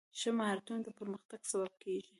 ښه مهارتونه د پرمختګ سبب کېږي.